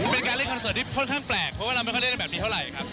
เป็นการเล่นคอนเสิร์ตที่ค่อนข้างแปลกเพราะว่าเราไม่ค่อยเล่นกันแบบนี้เท่าไหร่ครับ